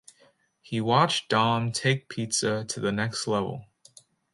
He watched Dom take pizza to the next level.